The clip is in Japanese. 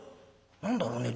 「何だろうね。